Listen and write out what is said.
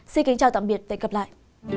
xin kính chào tạm biệt và hẹn gặp lại